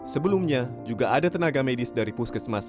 sebelumnya juga ada tenaga medis dari puskesmas